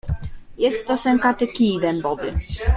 "Jest to sękaty kij dębowy."